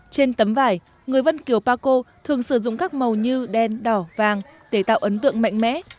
trên tấm vải người vân kiều paco thường sử dụng các màu như đen đỏ vàng để tạo ấn tượng mạnh mẽ